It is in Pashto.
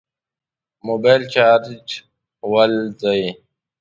موبایل چارچر بل ځای.